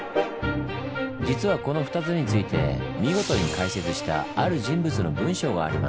実はこの２つについて見事に解説したある人物の文章があります。